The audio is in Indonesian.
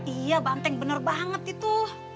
iya banteng benar banget itu